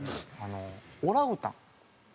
オランウータン？